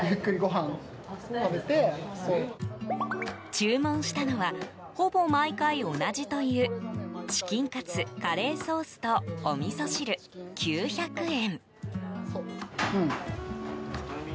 注文したのはほぼ毎回同じというチキンカツ、カレーソースとおみそ汁、９００円。